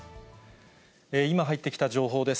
今入ってきた情報です。